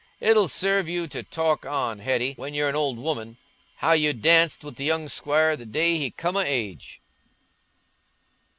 It'll serve you to talk on, Hetty, when you're an old woman—how you danced wi' th' young squire the day he come o' age."